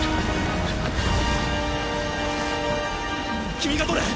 君が取れ！